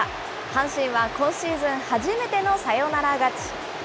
阪神は今シーズン初めてのサヨナラ勝ち。